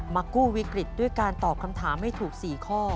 กู้วิกฤตด้วยการตอบคำถามให้ถูก๔ข้อ